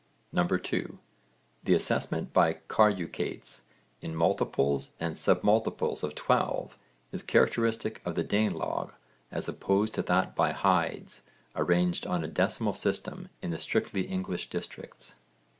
(2) The assessment by carucates in multiples and submultiples of 12 is characteristic of the Danelagh, as opposed to that by hides, arranged on a decimal system in the strictly English districts.